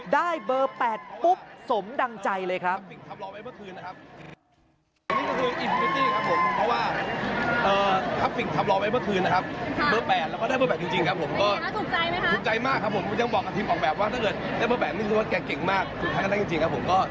ได้เบอร์๘ปุ๊บสมดังใจเลยครับ